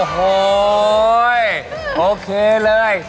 โหยโอเคเลย